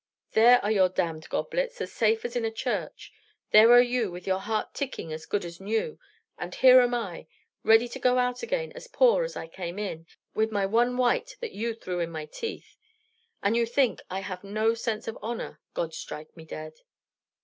There are your damned goblets, as safe as in a church; there are you, with your heart ticking as good as new; and here am I, ready to go out again as poor as I came in, with my one white that you threw in my teeth! And you think I have no sense of honor God strike me dead!"